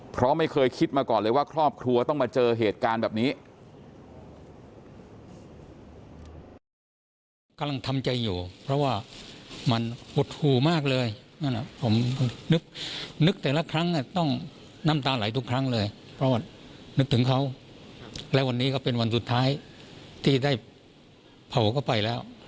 เพราะไม่เคยคิดมาก่อนเลยว่าครอบครัวต้องมาเจอเหตุการณ์แบบนี้